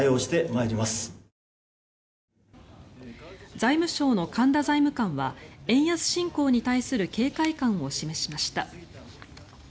財務省の神田財務官は円安進行に対する警戒感を示しました。